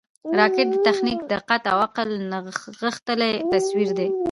راکټ د تخنیک، دقت او عقل نغښتلی تصویر دی